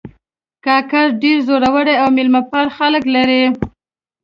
کاکړ ډېر زړور او میلمهپال خلک لري.